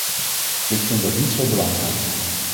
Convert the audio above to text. Ik vind dat niet zo belangrijk.